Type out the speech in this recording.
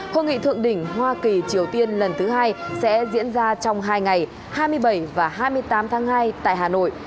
hội nghị thượng đỉnh hoa kỳ triều tiên lần thứ hai sẽ diễn ra trong hai ngày hai mươi bảy và hai mươi tám tháng hai tại hà nội